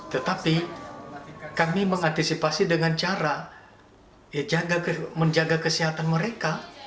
tetapi kami mengantisipasi dengan cara menjaga kesehatan mereka